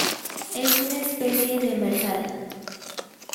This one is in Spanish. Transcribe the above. Es una especie demersal.